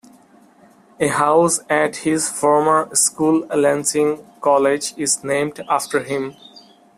A house at his former school Lancing College is named after him.